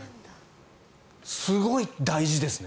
すごい大事ですね。